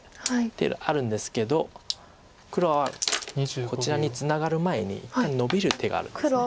手あるんですけど黒はこちらにツナがる前に一回ノビる手があるんです。